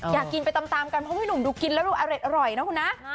อยากกินไปตามกันเพราะพี่หนุ่มดูกินแล้วดูอร่อยนะคุณนะ